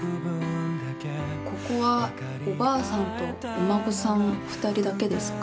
ここはおばあさんとお孫さん２人だけですか？